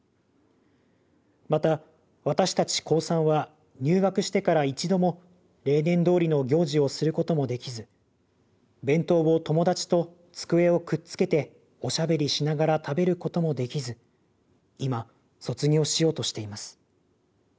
また私たち高３は入学してから１度も例年通りの行事をすることも出来ず弁当を友達と机をくっつけておしゃべりしながら食べることも出来ず今卒業しようとしています。